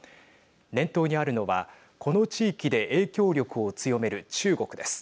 念頭にあるのはこの地域で影響力を強める中国です。